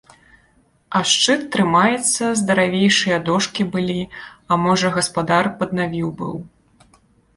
А шчыт трымаецца, здаравейшыя дошкі былі, а можа, гаспадар паднавіў быў.